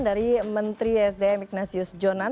dari menteri ysdm ignasius jonan